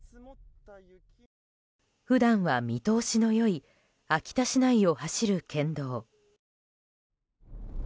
普段は見通しの良い秋田市内を走る県道。